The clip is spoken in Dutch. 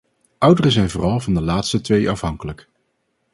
Ouderen zijn vooral van de laatste twee afhankelijk.